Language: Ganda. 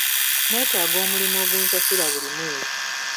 Neetaaga omulimu ogunsasula buli mwezi.